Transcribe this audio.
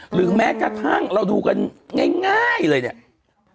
หรือแม้กระทั่งเราดูกันง่ายเลยเนี่ย